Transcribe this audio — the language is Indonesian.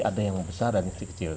ada yang besar dan masih kecil